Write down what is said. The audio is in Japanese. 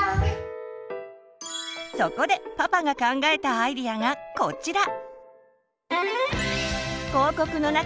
そこでパパが考えたアイデアがこちら！